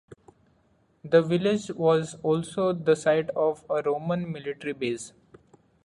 The village was also the site of a Roman military base.